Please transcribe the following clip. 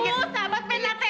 ya aku sama penate